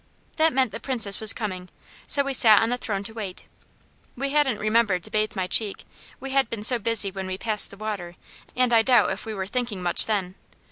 That meant the Princess was coming, so we sat on the throne to wait. We hadn't remembered to bathe my cheek, we had been so busy when we passed the water, and I doubt if we were thinking much then.